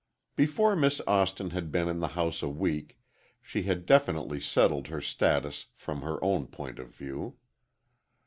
Before Miss Austin had been in the house a week, she had definitely settled her status from her own point of view.